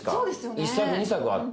１作２作あって。